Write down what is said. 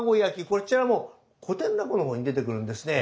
こちらもう古典落語の方に出てくるんですね。